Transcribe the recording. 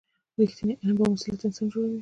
رښتینی علم بامسؤلیته انسان جوړوي.